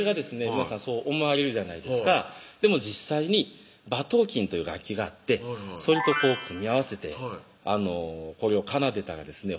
皆さんそう思われるじゃないですかでも実際に馬頭琴という楽器があってそれと組み合わせてこれを奏でたらですね